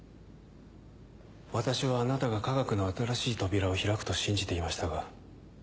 私はあなたが科学の新しい扉を開くと信じていましたが。